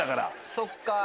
そっか。